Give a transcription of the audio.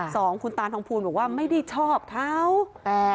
สองคุณตาทองภูลบอกว่าไม่ได้ชอบเขาอ่า